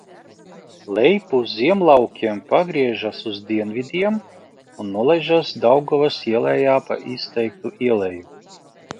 Lejpus Ziemlaukiem pagriežas uz dienvidiem un nolaižas Daugavas ielejā pa izteiktu ieleju.